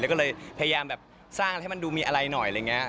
แล้วก็เลยพยายามแบบสร้างให้มันดูมีอะไรหน่อยเลยครับ